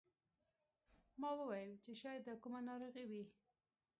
ما وویل چې شاید دا کومه ناروغي وي.